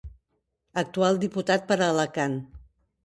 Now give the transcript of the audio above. Actual diputat per a Alacant.